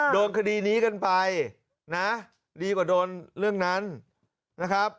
โดนคดีนี้กันไปนะดีกว่าโดนเรื่องนั้นนะครับ